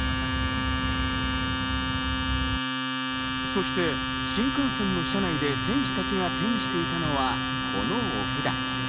そして新幹線の車内で選手たちが手にしていたのは、このお札。